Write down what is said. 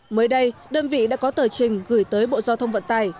mới đây đơn vị đã có tờ trình gửi tới bộ giao thông vận tải